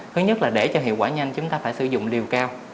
thứ nhất là để cho hiệu quả nhanh chúng ta phải sử dụng liều cao